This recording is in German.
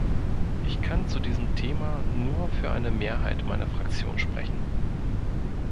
Ich kann zu diesem Thema nur für eine Mehrheit meiner Fraktion sprechen.